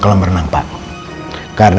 elsa berubah elsa